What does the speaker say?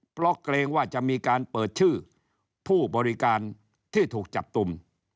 เพราะเกรงว่าจะมีการเปิดชื่อผู้บริการที่ถูกจับกลุ่ม